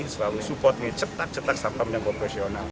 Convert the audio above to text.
selalu support ngecetak cetak satpam yang profesional